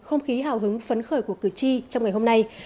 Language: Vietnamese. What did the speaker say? không khí hào hứng phấn khởi của cử tri trong ngày hôm nay